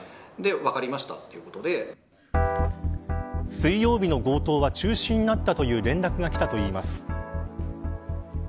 水曜日の強盗は中止になったという連絡がきたといいます。